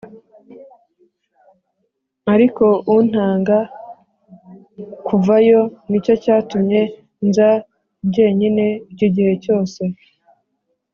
ariko untanga kuvayo, nicyo cyatumye nza jyenyine iki gihe cyose